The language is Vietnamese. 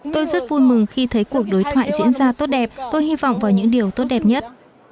tôi rất vui mừng khi thấy cuộc đối thoại diễn ra tốt đẹp tôi hy vọng vào những điều tốt đẹp nhất